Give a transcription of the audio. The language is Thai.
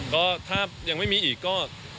ก็ถ้ายังไม่มีอีกก็